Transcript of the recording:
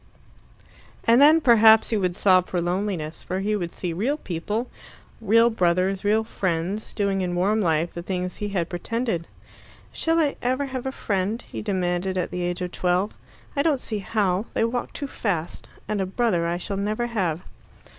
And then perhaps he would sob for loneliness, for he would see real people real brothers, real friends doing in warm life the things he had pretended. "Shall I ever have a friend?" he demanded at the age of twelve. "I don't see how. They walk too fast. And a brother I shall never have."